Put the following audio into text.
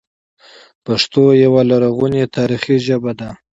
پښتو یوه لرغونې تاریخي ژبه ده